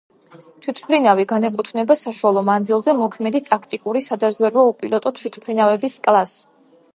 თვითმფრინავი განეკუთვნება საშუალო მანძილზე მოქმედი ტაქტიკური სადაზვერვო უპილოტო თვითმფრინავების კლასს.